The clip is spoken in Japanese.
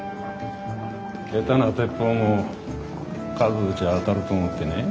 下手な鉄砲も数撃ちゃ当たると思ってね。